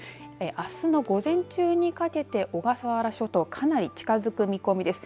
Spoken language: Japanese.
あすの午前中にかけて小笠原諸島、かなり近づく見込みです。